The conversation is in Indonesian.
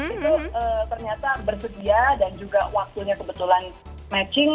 itu ternyata bersedia dan juga waktunya kebetulan matching